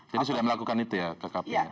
jadi sudah melakukan itu ya kkp